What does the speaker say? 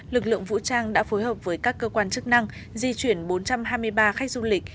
lực lượng vũ trang đã phối hợp với các cơ quan chức năng di chuyển bốn trăm hai mươi ba khách du lịch